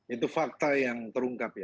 itu fakta yang terungkap ya